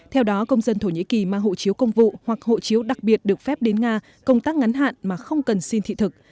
theo đó công dân thổ nhĩ kỳ mang hộ chiếu công vụ hoặc hộ chiếu đặc biệt được phép đến nga công tác ngắn hạn mà không cần xin thị thực